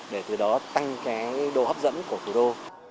để từ đó tăng cái độ hấp dẫn của thủ đô